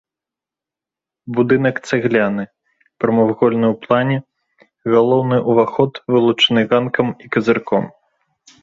Будынак цагляны, прамавугольны ў плане, галоўны ўваход вылучаны ганкам і казырком.